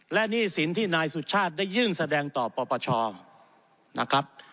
และหนี้สินที่นายสุชาติได้ยื่นแสดงต่อปปชนะครับ